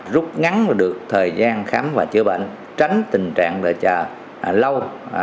rút ngắn được thời gian khám và chữa bệnh tránh tình trạng về chờ lâu